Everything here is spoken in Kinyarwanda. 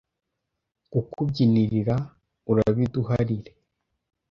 Kukubyinirira urabiduharire